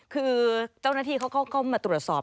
คือเจ้าหน้าที่เขาก็มาตรวจสอบ